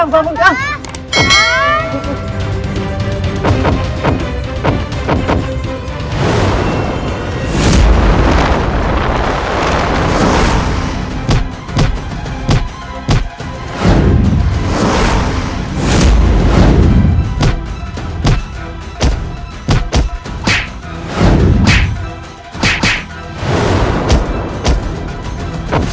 jangan lari kamu